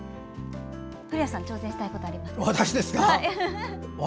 古谷さん挑戦したいことありますか？